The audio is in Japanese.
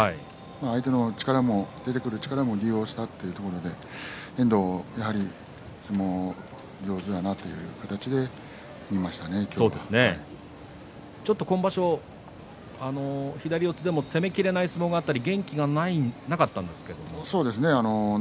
相手の力、出てくる力も利用したというところで遠藤はやはり相撲が上手だなという形で今場所は左四つでも攻めきれない相撲が元気がなかったんですけどね。